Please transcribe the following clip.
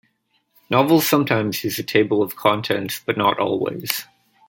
Novels sometimes use a table of contents, but not always.